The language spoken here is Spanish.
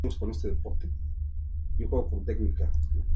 Destaca además el reloj patron firmado St.